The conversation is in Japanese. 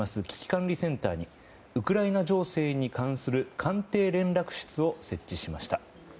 危機管理センターにウクライナ情勢に関する官邸連絡室を設置しました。